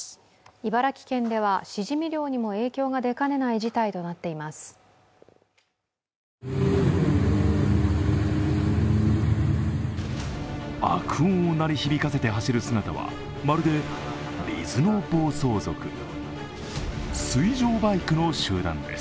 茨城県では、シジミ漁にも影響が出かねない事態となっています。